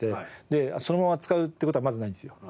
でそのまま使うって事はまずないんですよ。